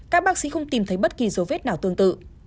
các bác sĩ không tìm thấy bất kỳ dấu vết nào tương tự